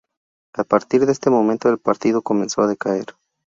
A partir de este momento, el partido comenzó a decaer.